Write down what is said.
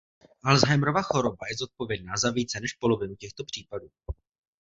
Alzheimerova choroba je zodpovědná za více než polovinu těchto případů.